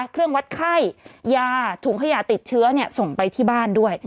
เครื่องวัดไข้ยาถุงขยะติดเชื้อส่งไปที่บ้านด้วย